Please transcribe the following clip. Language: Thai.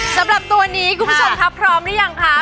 สำหรับตัวนี้คุณผู้ชมครับพร้อมหรือยังคะ